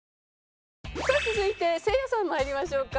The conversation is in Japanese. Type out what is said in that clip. さあ続いてせいやさん参りましょうか。